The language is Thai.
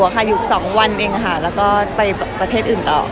ปีถึงสองวันเองค่ะแล้วก็ไปประเทศอื่นต่อ